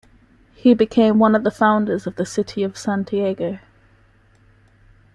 He became one of the founders of the city of Santiago.